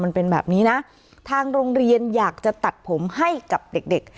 มันเป็นแบบนี้นะทางโรงเรียนอยากจะตัดผมให้กับเด็กเด็ก